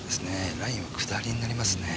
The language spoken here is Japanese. ラインは下りになりますね。